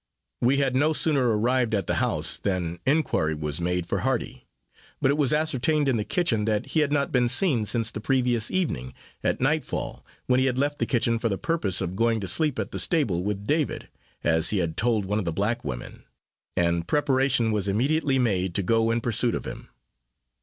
We had no sooner arrived at the house, than inquiry was made for Hardy; but it was ascertained in the kitchen, that he had not been seen since the previous evening, at night fall, when he had left the kitchen for the purpose of going to sleep at the stable with David, as he had told one of the black women; and preparation was immediately made to go in pursuit of him.